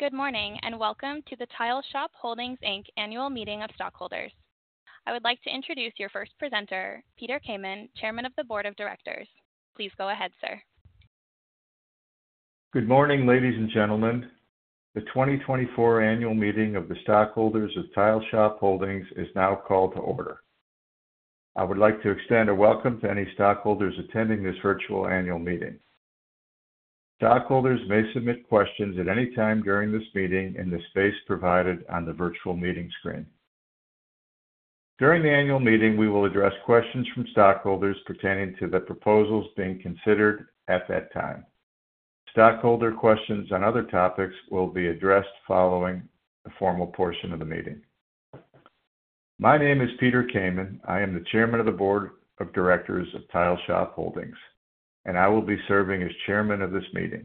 Good morning and welcome to the Tile Shop Holdings, Inc. annual meeting of stockholders. I would like to introduce your first presenter, Peter Kamin, Chairman of the Board of Directors. Please go ahead, sir. Good morning, ladies and gentlemen. The 2024 annual meeting of the stockholders of Tile Shop Holdings is now called to order. I would like to extend a welcome to any stockholders attending this virtual annual meeting. Stockholders may submit questions at any time during this meeting in the space provided on the virtual meeting screen. During the annual meeting, we will address questions from stockholders pertaining to the proposals being considered at that time. Stockholder questions on other topics will be addressed following the formal portion of the meeting. My name is Peter Kamin. I am the Chairman of the Board of Directors of Tile Shop Holdings, and I will be serving as Chairman of this meeting.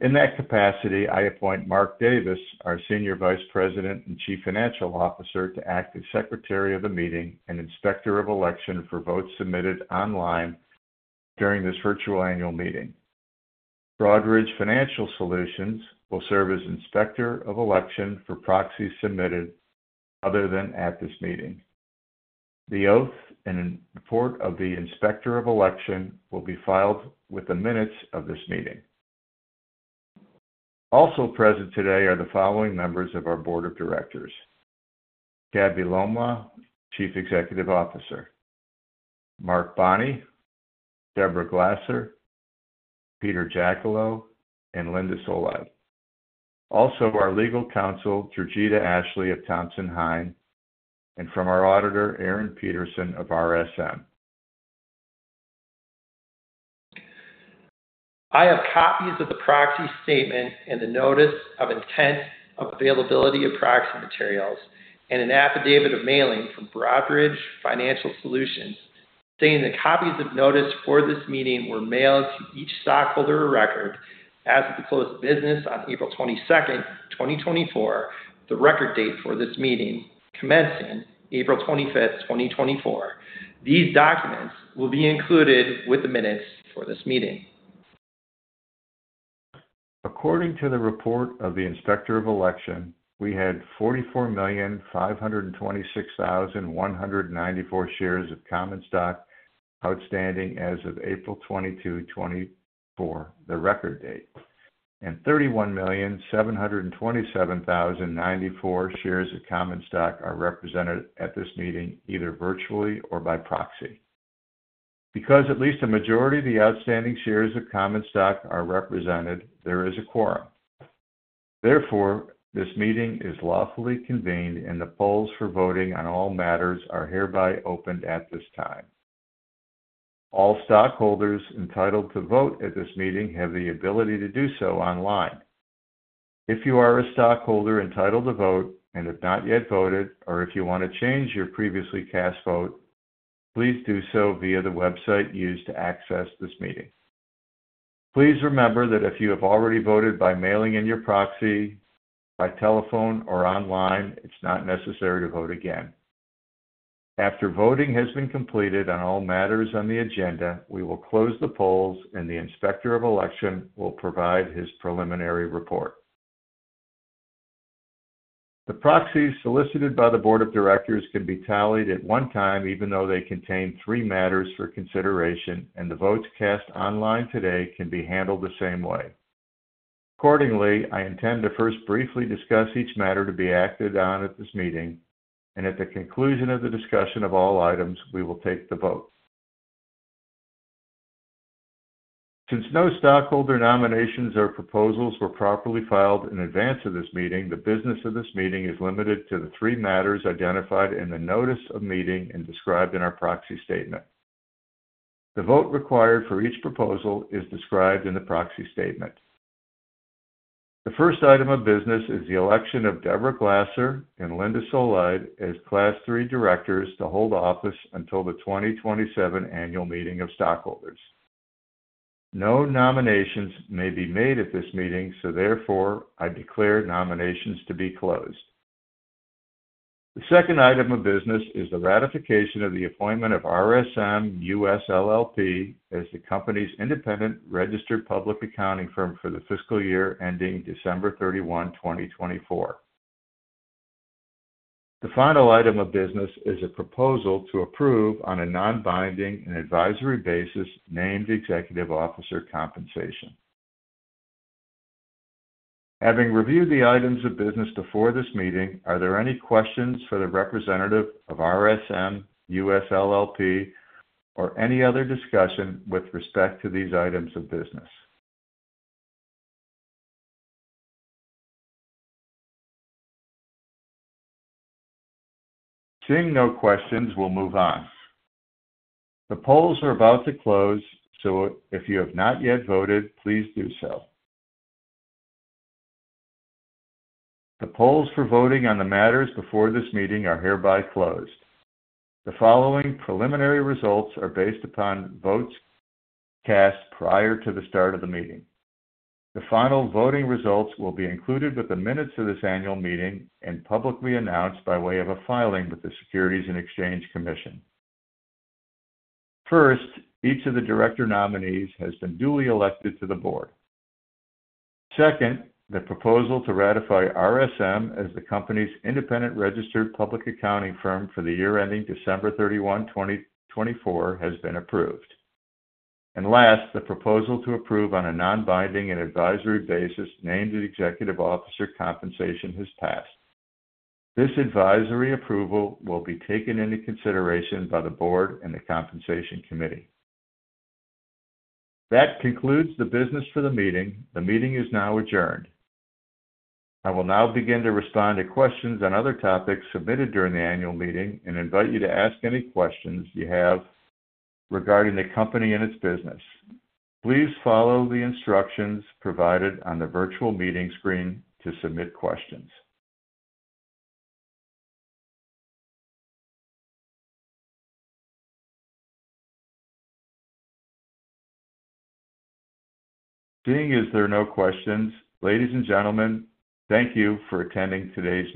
In that capacity, I appoint Mark Davis, our Senior Vice President and Chief Financial Officer, to act as Secretary of the Meeting and Inspector of Election for votes submitted online during this virtual annual meeting. Broadridge Financial Solutions will serve as Inspector of Election for proxies submitted other than at this meeting. The oath and report of the Inspector of Election will be filed with the minutes of this meeting. Also present today are the following members of our Board of Directors: Cabby Lolmaugh, Chief Executive Officer; Mark Bonney; Deborah Glasser; Peter Jacullo; and Linda Solh. Also, our legal counsel, Jurgita Ashley of Thompson Hine; and from our auditor, Aaron Peterson of RSM. I have copies of the proxy statement and the notice of internet availability of proxy materials, and an affidavit of mailing from Broadridge Financial Solutions stating that copies of notice for this meeting were mailed to each stockholder of record as of the close of business on April 22, 2024, the record date for this meeting commencing April 25, 2024. These documents will be included with the minutes for this meeting. According to the report of the Inspector of Election, we had 44,526,194 shares of common stock outstanding as of April 22, 2024, the record date, and 31,727,094 shares of common stock are represented at this meeting either virtually or by proxy. Because at least a majority of the outstanding shares of common stock are represented, there is a quorum. Therefore, this meeting is lawfully convened and the polls for voting on all matters are hereby opened at this time. All stockholders entitled to vote at this meeting have the ability to do so online. If you are a stockholder entitled to vote and have not yet voted, or if you want to change your previously cast vote, please do so via the website used to access this meeting. Please remember that if you have already voted by mailing in your proxy, by telephone, or online, it's not necessary to vote again. After voting has been completed on all matters on the agenda, we will close the polls and the Inspector of Election will provide his preliminary report. The proxies solicited by the Board of Directors can be tallied at one time even though they contain three matters for consideration, and the votes cast online today can be handled the same way. Accordingly, I intend to first briefly discuss each matter to be acted on at this meeting, and at the conclusion of the discussion of all items, we will take the vote. Since no stockholder nominations or proposals were properly filed in advance of this meeting, the business of this meeting is limited to the three matters identified in the notice of meeting and described in our proxy statement. The vote required for each proposal is described in the proxy statement. The first item of business is the election of Deborah Glasser and Linda Solh as Class III directors to hold office until the 2027 annual meeting of stockholders. No nominations may be made at this meeting, so therefore I declare nominations to be closed. The second item of business is the ratification of the appointment of RSM US LLP as the company's independent registered public accounting firm for the fiscal year ending December 31, 2024. The final item of business is a proposal to approve on a non-binding and advisory basis Named Executive Officer Compensation. Having reviewed the items of business before this meeting, are there any questions for the representative of RSM US LLP or any other discussion with respect to these items of business? Seeing no questions, we'll move on. The polls are about to close, so if you have not yet voted, please do so. The polls for voting on the matters before this meeting are hereby closed. The following preliminary results are based upon votes cast prior to the start of the meeting. The final voting results will be included with the minutes of this annual meeting and publicly announced by way of a filing with the Securities and Exchange Commission. First, each of the director nominees has been duly elected to the board. Second, the proposal to ratify RSM as the company's independent registered public accounting firm for the year ending December 31, 2024, has been approved. Last, the proposal to approve on a non-binding and advisory basis Named Executive Officer Compensation has passed. This advisory approval will be taken into consideration by the Board and the Compensation Committee. That concludes the business for the meeting. The meeting is now adjourned. I will now begin to respond to questions on other topics submitted during the annual meeting and invite you to ask any questions you have regarding the company and its business. Please follow the instructions provided on the virtual meeting screen to submit questions. Seeing as there are no questions, ladies and gentlemen, thank you for attending today's.